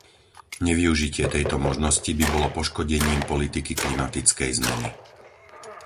Nevyužitie tejto možnosti by bolo poškodením politiky klimatickej zmeny.